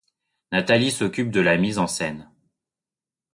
Nathalie s'occupe de la mise en scène.